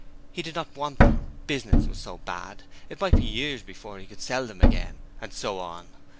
He did not want them. Business was so bad: it might be years before he could sell them again, and so on.